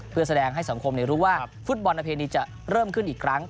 เพื่อแสดงให้สังคมรู้ว่าฟุตบอลประเพณีจะเริ่มขึ้นอีกครั้ง